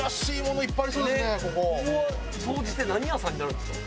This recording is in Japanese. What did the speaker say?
ここは総じて何屋さんになるんですか？